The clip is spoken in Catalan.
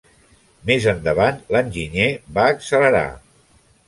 Més endavant l'enginyer va accelerar.